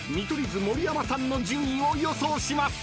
図盛山さんの順位を予想します］